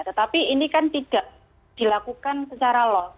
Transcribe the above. tetapi ini kan tidak dilakukan secara los